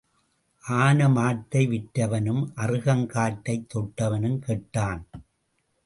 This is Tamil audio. ஆன மாட்டை விற்றவனும் அறுகங் காட்டைத் தொட்டவனும் கெட்டான்.